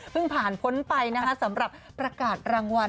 เพิ่งผ่านพ้นไปสำหรับประกาศรางวัล